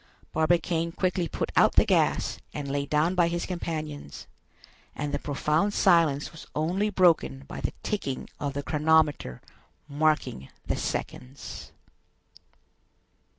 Barbicane quickly put out the gas and lay down by his companions, and the profound silence was only broken by the ticking of the chronometer marking the seconds.